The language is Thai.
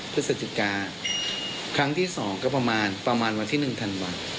พฤศจิกาครั้งที่สองก็ประมาณประมาณวันที่หนึ่งธันวัน